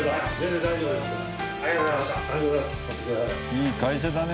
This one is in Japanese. いい会社だね